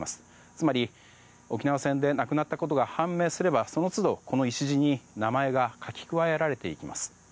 つまり沖縄戦で亡くなったことが判明すればその都度、この礎に名前が書き加えられていきます。